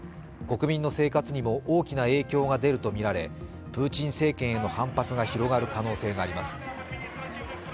国民の生活にも大きな影響が出るとみられ、プーチン政権への反発が広がる可能性があります。